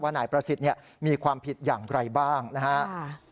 นายประสิทธิ์มีความผิดอย่างไรบ้างนะครับ